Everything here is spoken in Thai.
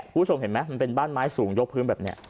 คุณผู้ชมเห็นไหมมันเป็นบ้านไม้สูงยกพื้นแบบนี้